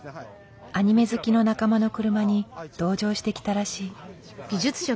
アニメ好きの仲間の車に同乗してきたらしい。